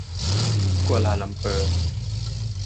กัวลาลัมเปอร์